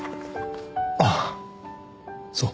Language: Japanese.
ああそう。